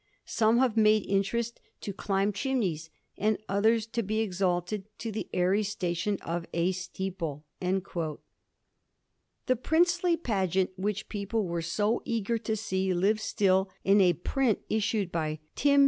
Some have made interest to climb chim neys, and others to be exalted to the airy station of a steeple.' The princely pageant which people were so eager to see lives still in a print issued by ^ Tim.